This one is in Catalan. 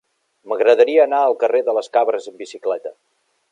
M'agradaria anar al carrer de les Cabres amb bicicleta.